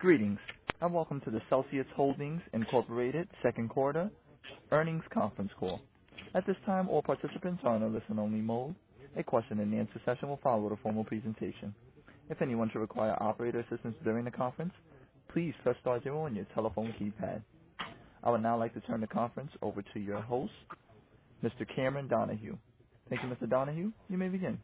Greetings, welcome to the Celsius Holdings, Inc. second quarter earnings conference call. At this time, all participants are in a listen-only mode. A question-and-answer session will follow the formal presentation. If anyone should require operator assistance during the conference, please press star zero on your telephone keypad. I would now like to turn the conference over to your host, Mr. Cameron Donahue. Thank you, Mr. Donahue. You may begin.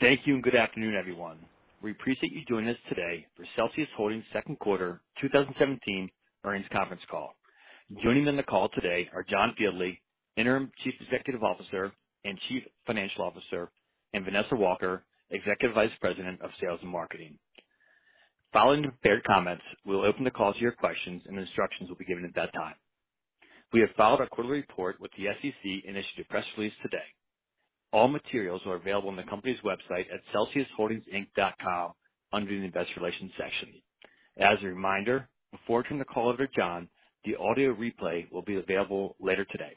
Thank you, good afternoon, everyone. We appreciate you joining us today for Celsius Holdings' second quarter 2017 earnings conference call. Joining on the call today are John Fieldly, Interim Chief Executive Officer and Chief Financial Officer, and Vanessa Walker, Executive Vice President of Sales and Marketing. Following their comments, we'll open the call to your questions, instructions will be given at that time. We have filed our quarterly report with the SEC and issued a press release today. All materials are available on the company's website at celsiusholdingsinc.com under the investor relations section. As a reminder, before I turn the call over to John, the audio replay will be available later today.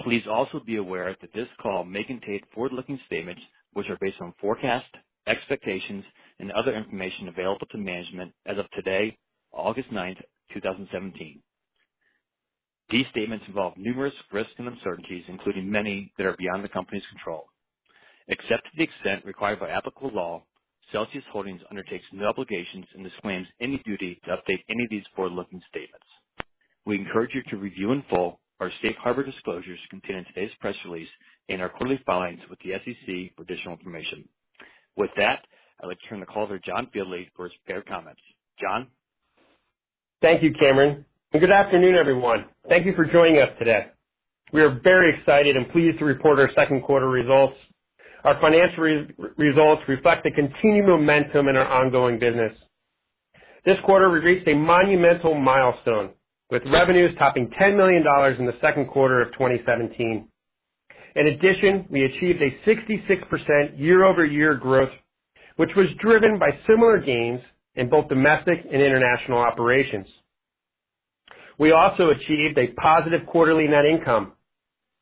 Please also be aware that this call may contain forward-looking statements which are based on forecasts, expectations, and other information available to management as of today, August ninth, 2017. These statements involve numerous risks and uncertainties, including many that are beyond the company's control. Except to the extent required by applicable law, Celsius Holdings undertakes no obligations and disclaims any duty to update any of these forward-looking statements. We encourage you to review in full our safe harbor disclosures contained in today's press release and our quarterly filings with the SEC for additional information. With that, I'd like to turn the call to John Fieldly for his prepared comments. John? Thank you, Cameron, good afternoon, everyone. Thank you for joining us today. We are very excited and pleased to report our second quarter results. Our financial results reflect the continued momentum in our ongoing business. This quarter, we've reached a monumental milestone, with revenues topping $10 million in the second quarter of 2017. In addition, we achieved a 66% year-over-year growth, which was driven by similar gains in both domestic and international operations. We also achieved a positive quarterly net income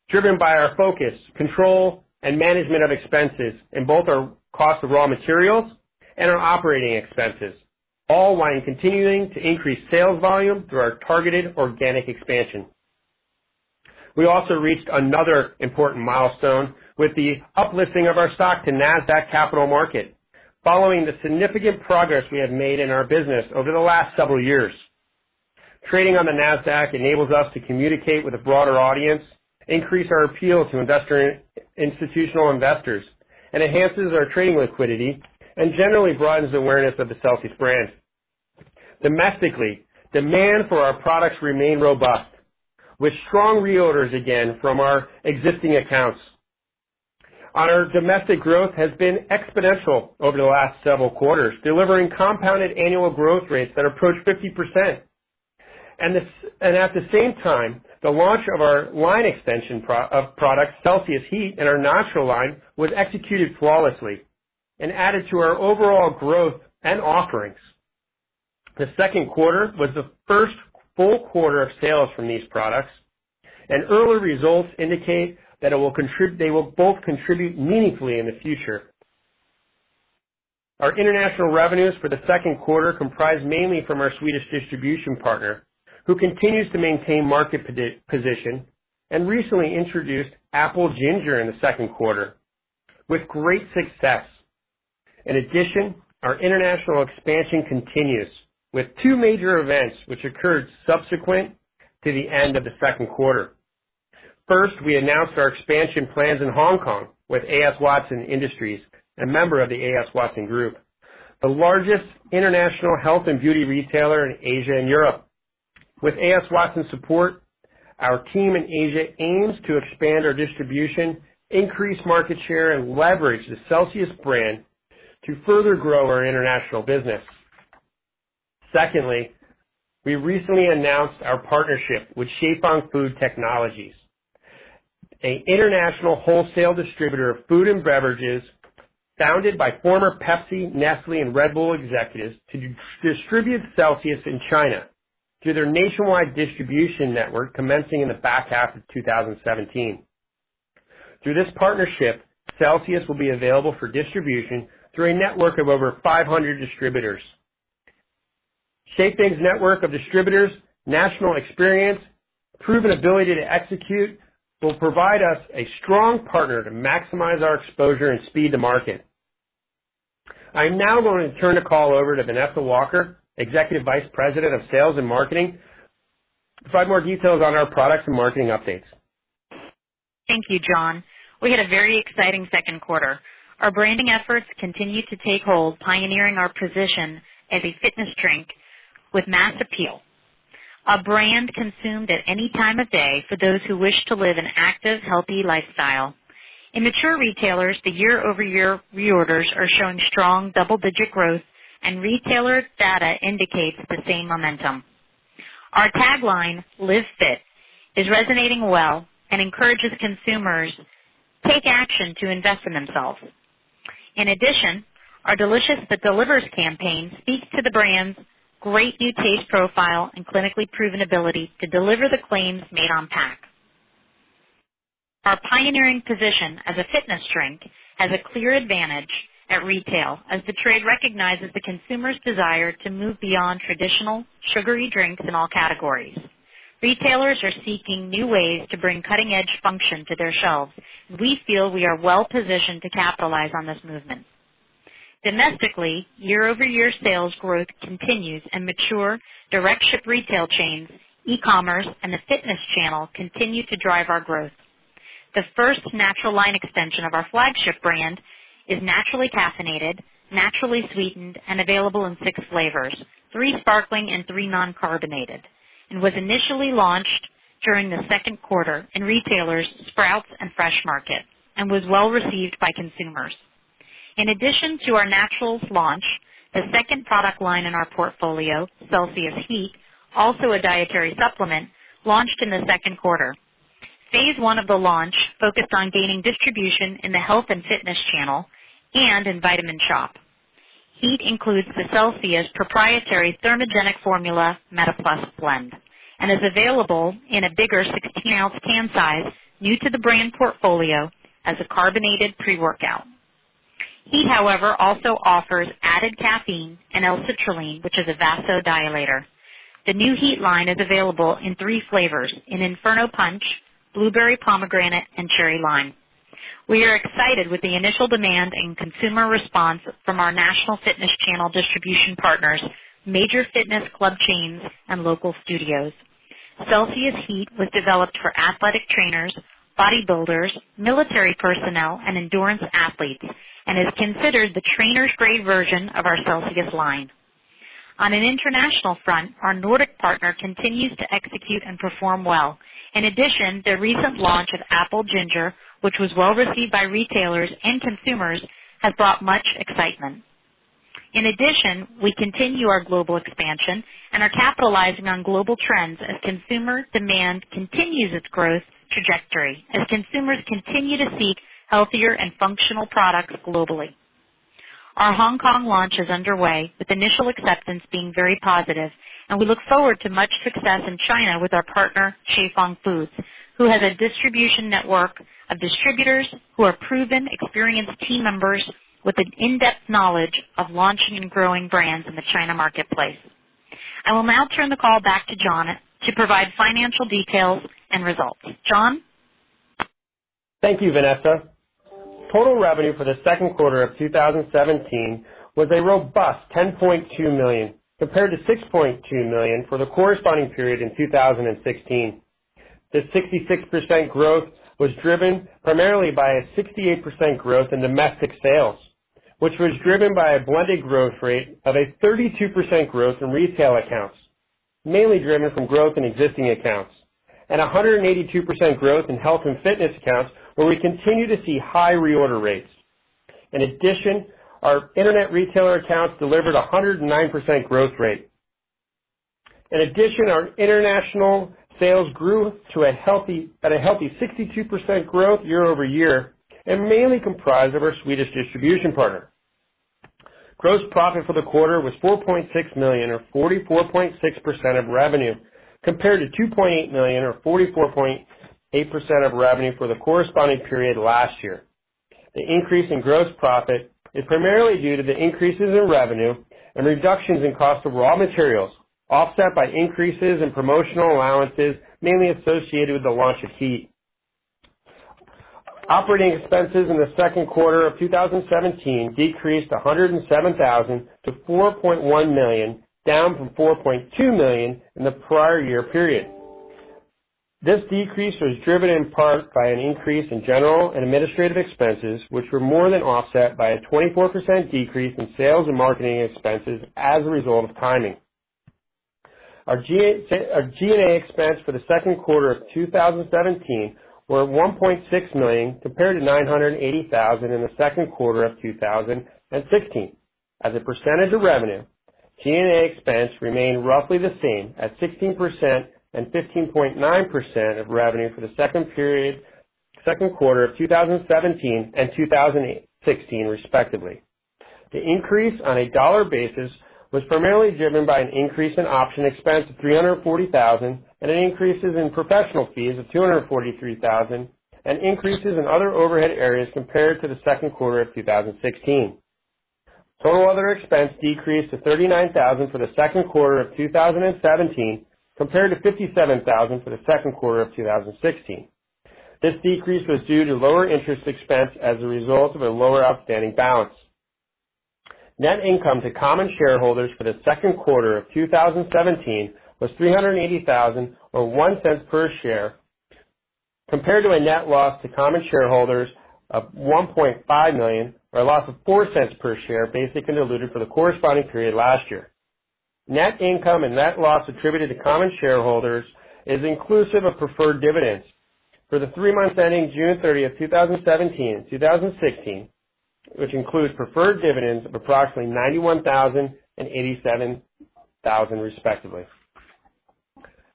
driven by our focus, control, management of expenses in both our cost of raw materials and our operating expenses, all while continuing to increase sales volume through our targeted organic expansion. We also reached another important milestone with the uplisting of our stock to Nasdaq Capital Market. Following the significant progress we have made in our business over the last several years, trading on the Nasdaq enables us to communicate with a broader audience, increase our appeal to institutional investors, and enhances our trading liquidity, and generally broadens awareness of the Celsius brand. Domestically, demand for our products remain robust, with strong reorders again from our existing accounts. Our domestic growth has been exponential over the last several quarters, delivering compounded annual growth rates that approach 50%. At the same time, the launch of our line extension of products, Celsius HEAT and our CELSIUS Naturals line, was executed flawlessly and added to our overall growth and offerings. The second quarter was the first full quarter of sales from these products. Early results indicate that they will both contribute meaningfully in the future. Our international revenues for the second quarter comprised mainly from our Swedish distribution partner, who continues to maintain market position and recently introduced Apple Ginger in the second quarter with great success. In addition, our international expansion continues with two major events which occurred subsequent to the end of the second quarter. First, we announced our expansion plans in Hong Kong with A.S. Watson Industries, a member of the A.S. Watson Group, the largest international health and beauty retailer in Asia and Europe. With A.S. Watson support, our team in Asia aims to expand our distribution, increase market share, and leverage the Celsius brand to further grow our international business. Secondly, we recently announced our partnership with Qifeng Food Technology, an international wholesale distributor of food and beverages founded by former Pepsi, Nestlé, and Red Bull executives to distribute Celsius in China through their nationwide distribution network commencing in the back half of 2017. Through this partnership, Celsius will be available for distribution through a network of over 500 distributors. Qifeng's network of distributors' national experience, proven ability to execute will provide us a strong partner to maximize our exposure and speed to market. I'm now going to turn the call over to Vanessa Walker, Executive Vice President of Sales and Marketing, to provide more details on our products and marketing updates. Thank you, John. We had a very exciting second quarter. Our branding efforts continue to take hold, pioneering our position as a fitness drink with mass appeal. A brand consumed at any time of day for those who wish to live an active, healthy lifestyle. In mature retailers, the year-over-year reorders are showing strong double-digit growth. Retailer data indicates the same momentum. Our tagline, "Live Fit," is resonating well and encourages consumers take action to invest in themselves. In addition, our Delicious But Delivers campaign speaks to the brand's great new taste profile and clinically proven ability to deliver the claims made on pack. Our pioneering position as a fitness drink has a clear advantage at retail, as the trade recognizes the consumer's desire to move beyond traditional sugary drinks in all categories. Retailers are seeking new ways to bring cutting-edge function to their shelves. We feel we are well-positioned to capitalize on this movement. Domestically, year-over-year sales growth continues in mature direct ship retail chains, e-commerce, and the fitness channel continue to drive our growth. The first natural line extension of our flagship brand is naturally caffeinated, naturally sweetened, and available in six flavors, three sparkling and three non-carbonated, and was initially launched during the second quarter in retailers Sprouts and Fresh Market, and was well-received by consumers. In addition to our Naturals launch, the second product line in our portfolio, Celsius HEAT, also a dietary supplement, launched in the second quarter. Phase 1 of the launch focused on gaining distribution in the health and fitness channel and in Vitamin Shoppe. HEAT includes the Celsius proprietary thermogenic formula MetaPlus blend and is available in a bigger 16-ounce can size, new to the brand portfolio as a carbonated pre-workout. HEAT, however, also offers added caffeine and L-citrulline, which is a vasodilator. The new HEAT line is available in three flavors: Inferno Punch, Blueberry Pomegranate, and Cherry Lime. We are excited with the initial demand and consumer response from our national fitness channel distribution partners, major fitness club chains, and local studios. Celsius HEAT was developed for athletic trainers, bodybuilders, military personnel, and endurance athletes and is considered the trainers' grade version of our Celsius line. On an international front, our Nordic partner continues to execute and perform well. Their recent launch of Apple Ginger, which was well-received by retailers and consumers, has brought much excitement. We continue our global expansion and are capitalizing on global trends as consumer demand continues its growth trajectory as consumers continue to seek healthier and functional products globally. Our Hong Kong launch is underway, with initial acceptance being very positive, and we look forward to much success in China with our partner, Qifeng Food, who has a distribution network of distributors who are proven, experienced team members with an in-depth knowledge of launching and growing brands in the China marketplace. I will now turn the call back to John to provide financial details and results. John? Thank you, Vanessa. Total revenue for the second quarter of 2017 was a robust $10.2 million, compared to $6.2 million for the corresponding period in 2016. The 66% growth was driven primarily by a 68% growth in domestic sales, which was driven by a blended growth rate of a 32% growth in retail accounts, mainly driven from growth in existing accounts, and 182% growth in health and fitness accounts, where we continue to see high reorder rates. Our internet retailer accounts delivered 109% growth rate. Our international sales grew at a healthy 62% growth year-over-year and mainly comprised of our Swedish distribution partner. Gross profit for the quarter was $4.6 million, or 44.6% of revenue, compared to $2.8 million, or 44.8% of revenue for the corresponding period last year. The increase in gross profit is primarily due to the increases in revenue and reductions in cost of raw materials, offset by increases in promotional allowances, mainly associated with the launch of HEAT. Operating expenses in the second quarter of 2017 decreased $107,000 to $4.1 million, down from $4.2 million in the prior year period. This decrease was driven in part by an increase in general and administrative expenses, which were more than offset by a 24% decrease in sales and marketing expenses as a result of timing. Our G&A expense for the second quarter of 2017 were at $1.6 million, compared to $980,000 in the second quarter of 2016. As a percentage of revenue, G&A expense remained roughly the same at 16% and 15.9% of revenue for the second quarter of 2017 and 2016, respectively. The increase on a dollar basis was primarily driven by an increase in option expense of $340,000 and an increases in professional fees of $243,000 and increases in other overhead areas compared to the second quarter of 2016. Total other expense decreased to $39,000 for the second quarter of 2017, compared to $57,000 for the second quarter of 2016. This decrease was due to lower interest expense as a result of a lower outstanding balance. Net income to common shareholders for the second quarter of 2017 was $380,000 or $0.01 per share, compared to a net loss to common shareholders of $1.5 million or a loss of $0.04 per share, basic and diluted, for the corresponding period last year. Net income and net loss attributed to common shareholders is inclusive of preferred dividends for the three months ending June 30th, 2017 and 2016, which includes preferred dividends of approximately $91,000 and $87,000, respectively.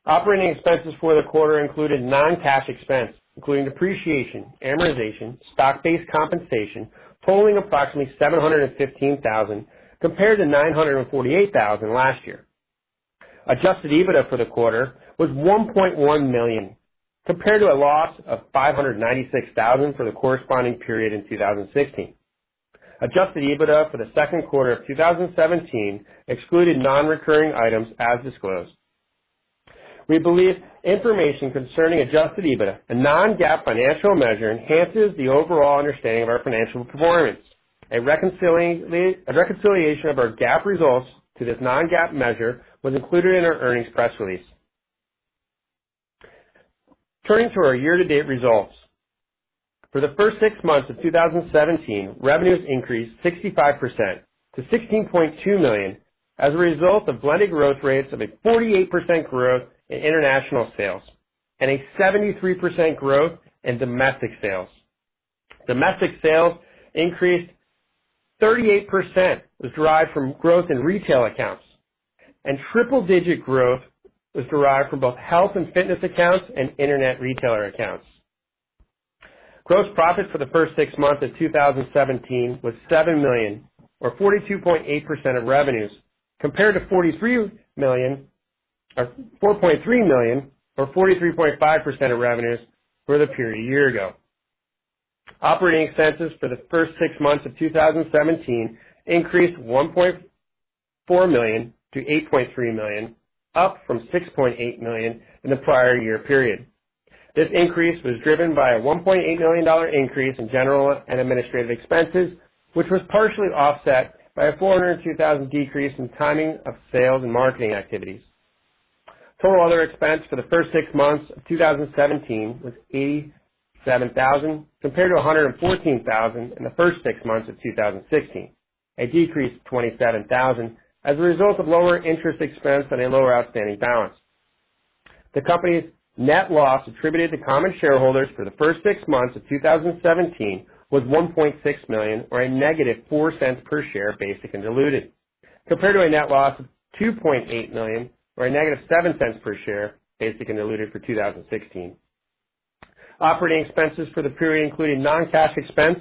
Operating expenses for the quarter included non-cash expense, including depreciation, amortization, stock-based compensation, totaling approximately $715,000, compared to $948,000 last year. Adjusted EBITDA for the quarter was $1.1 million, compared to a loss of $596,000 for the corresponding period in 2016. Adjusted EBITDA for the second quarter of 2017 excluded non-recurring items as disclosed. We believe information concerning adjusted EBITDA, a non-GAAP financial measure, enhances the overall understanding of our financial performance. A reconciliation of our GAAP results to this non-GAAP measure was included in our earnings press release. Turning to our year-to-date results. For the first six months of 2017, revenues increased 65% to $16.2 million as a result of blended growth rates of a 48% growth in international sales and a 73% growth in domestic sales. Domestic sales increased 38%, was derived from growth in retail accounts, and triple-digit growth was derived from both health and fitness accounts and internet retailer accounts. Gross profit for the first six months of 2017 was $7 million, or 42.8% of revenues, compared to $4.3 million, or 43.5% of revenues for the period a year ago. Operating expenses for the first six months of 2017 increased $1.4 million to $8.3 million, up from $6.8 million in the prior year period. This increase was driven by a $1.8 million increase in general and administrative expenses, which was partially offset by a $402,000 decrease in timing of sales and marketing activities. Total other expense for the first six months of 2017 was $87,000 compared to $114,000 in the first six months of 2016, a decrease of $27,000 as a result of lower interest expense on a lower outstanding balance. The company's net loss attributed to common shareholders for the first six months of 2017 was $1.6 million, or a negative $0.04 per share, basic and diluted. Compared to a net loss of $2.8 million, or a negative $0.07 per share, basic and diluted for 2016. Operating expenses for the period including non-cash expense,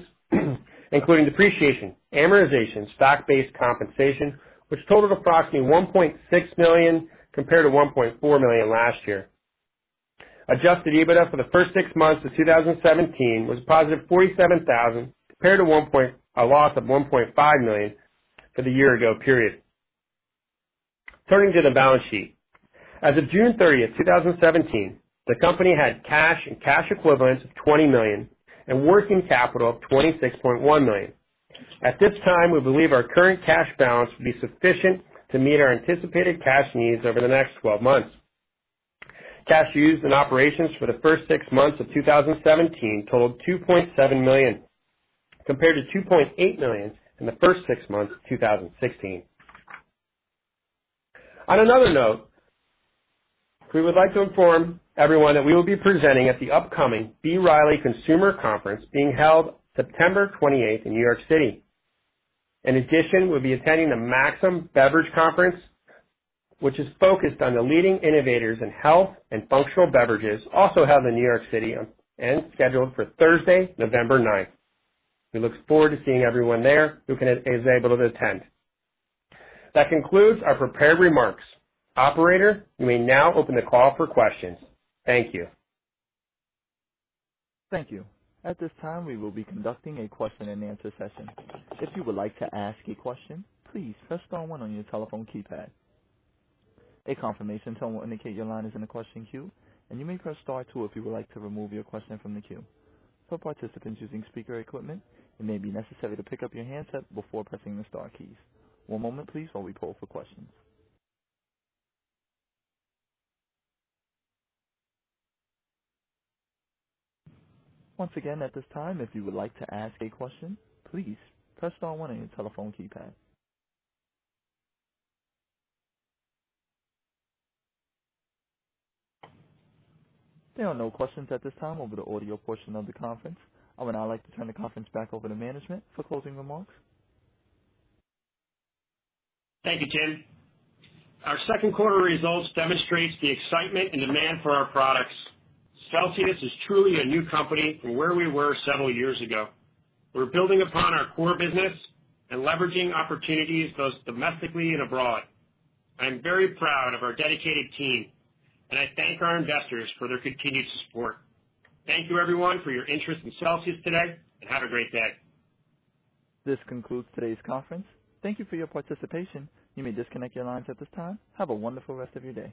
including depreciation, amortization, stock-based compensation, which totaled approximately $1.6 million compared to $1.4 million last year. Adjusted EBITDA for the first six months of 2017 was a positive $47,000 compared to a loss of $1.5 million for the year ago period. Turning to the balance sheet. As of June 30, 2017, the company had cash and cash equivalents of $20 million and working capital of $26.1 million. At this time, we believe our current cash balance will be sufficient to meet our anticipated cash needs over the next 12 months. Cash used in operations for the first six months of 2017 totaled $2.7 million, compared to $2.8 million in the first six months of 2016. On another note, we would like to inform everyone that we will be presenting at the upcoming B. Riley Consumer Conference being held September 28th in New York City. In addition, we'll be attending the Maxim Beverage Conference, which is focused on the leading innovators in health and functional beverages, also held in New York City and scheduled for Thursday, November 9th. We look forward to seeing everyone there who is able to attend. That concludes our prepared remarks. Operator, you may now open the call for questions. Thank you. Thank you. At this time, we will be conducting a question and answer session. If you would like to ask a question, please press star one on your telephone keypad. A confirmation tone will indicate your line is in the question queue, and you may press star two if you would like to remove your question from the queue. For participants using speaker equipment, it may be necessary to pick up your handset before pressing the star keys. One moment please while we poll for questions. Once again, at this time, if you would like to ask a question, please press star one on your telephone keypad. There are no questions at this time over the audio portion of the conference. I would now like to turn the conference back over to management for closing remarks. Thank you, Jim. Our second quarter results demonstrate the excitement and demand for our products. Celsius is truly a new company from where we were several years ago. We're building upon our core business and leveraging opportunities both domestically and abroad. I am very proud of our dedicated team, and I thank our investors for their continued support. Thank you everyone for your interest in Celsius today, and have a great day. This concludes today's conference. Thank you for your participation. You may disconnect your lines at this time. Have a wonderful rest of your day.